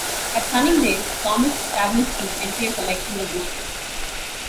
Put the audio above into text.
At Sunningdale, Thomas established his entire collection of roses.